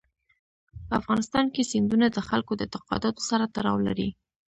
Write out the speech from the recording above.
په افغانستان کې سیندونه د خلکو د اعتقاداتو سره تړاو لري.